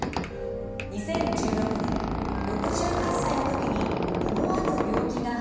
２０１６年６８歳の時に思わぬ病気が発覚しました。